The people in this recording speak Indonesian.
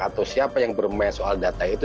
atau siapa yang bermain soal data itu